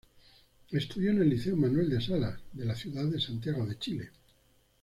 Estudió en el Liceo Manuel de Salas de la ciudad de Santiago, Chile.